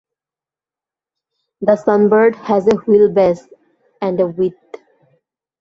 The Sunbird has a wheelbase and a width.